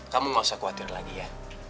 kamu gak usah khawatir lagi ya